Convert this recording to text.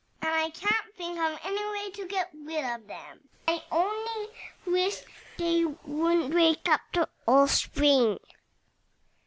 "And I don't know of any way to get rid of them. I only wish they wouldn't wake up till spring."